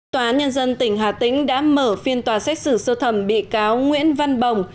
tòa án nhân dân tỉnh hà tĩnh đã mở phiên tòa xét xử sơ thẩm bị cáo nguyễn văn bồng